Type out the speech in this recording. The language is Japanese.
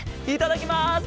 いただきます。